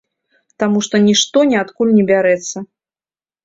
Таму што нішто ніадкуль не бярэцца.